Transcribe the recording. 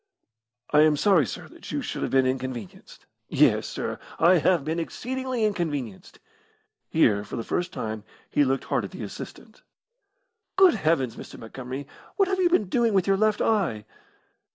"I am sorry, sir, that you should have been inconvenienced." "Yes, sir, I have been exceedingly inconvenienced." Here, for the first time, he looked hard at the assistant. "Good Heavens, Mr. Montgomery, what have you been doing with your left eye?"